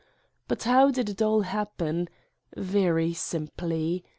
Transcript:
But how did it all happen? Very simply.